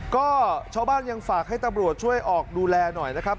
ก็ชาวบ้านยังฝากให้ตำรวจช่วยออกดูแลหน่อยนะครับ